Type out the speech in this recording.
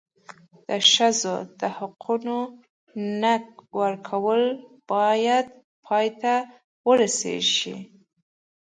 د ښځو د حقونو نه ورکول باید پای ته ورسېږي.